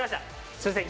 すいません